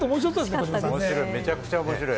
めちゃくちゃ面白い。